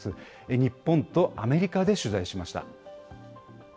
日本とアメリカで取材しました。